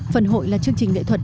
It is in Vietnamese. phần hội là chương trình lễ thuật